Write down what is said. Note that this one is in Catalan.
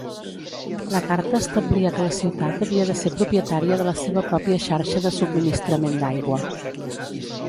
La carta establia que la ciutat havia de ser propietària de la seva pròpia xarxa de subministrament d'aigua.